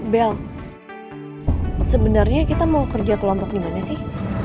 bel sebenarnya kita mau kerja kelompok dimana sih